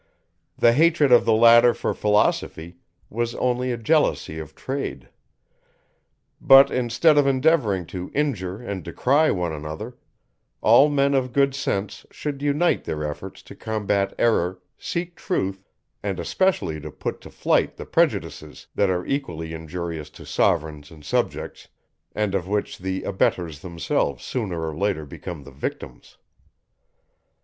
The hatred of the latter for philosophy was only a jealousy of trade. But, instead of endeavouring to injure and decry each other, all men of good sense should unite their efforts to combat error, seek truth, and especially to put to flight the prejudices, that are equally injurious to sovereigns and subjects, and of which the abettors themselves sooner or later become the victims.